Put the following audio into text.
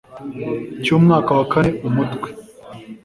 cy'umwaka wa kane Umutwe